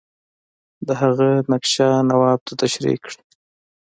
د هغه نقشه نواب ته تشریح کړي.